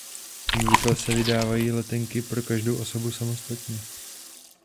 Obvykle se vydávají letenky pro každou osobu samostatně.